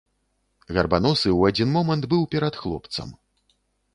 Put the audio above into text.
Гарбаносы ў адзін момант быў перад хлопцам.